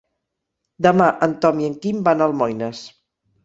Demà en Tom i en Quim van a Almoines.